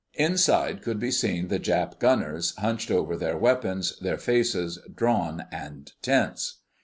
Inside could be seen the Jap gunners, hunched over their weapons, their faces drawn and tense.